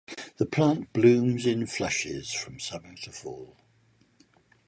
The plant blooms in flushes from summer to fall.